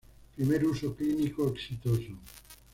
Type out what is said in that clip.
Primer uso clínico exitoso.